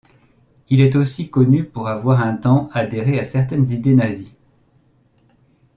Il est aussi connu pour avoir un temps adhéré à certaines idées nazies.